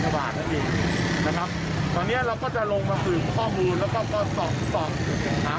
จากข้ออ้างที่พระได้อ้างว่าสุวภาพเนี่ยมันอ้างไม่ได้